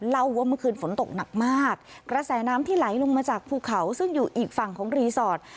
เล่าว่าเมื่อคืนฝนตกหนักมากกระแสน้ำที่ไหลลงมาจากภูเขาซึ่งอยู่อีกฝั่งของรีสอร์ท